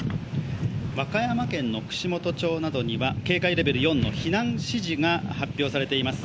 和歌山県の串本町などには、警戒レベル４の避難指示が発表されています。